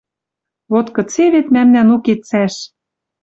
Вот кыце вет мӓмнӓн уке цӓш!